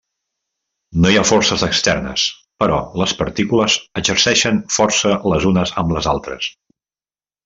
No hi ha forces externes però les partícules exerceixen força les unes amb les altres.